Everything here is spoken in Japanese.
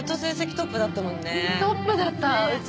トップだったうち